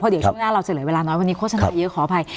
เดี๋ยวช่วงหน้าเราจะเหลือเวลาน้อยวันนี้โฆษณาเยอะขออภัย